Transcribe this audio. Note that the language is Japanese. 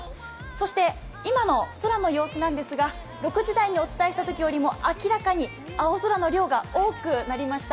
そして、今の空の様子なんですが、６時台にお伝えしたときよりも明らかに青空の量が多くなりました。